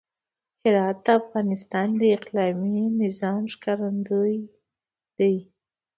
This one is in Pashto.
هرات د افغانستان د اقلیمي نظام ښکارندوی دی.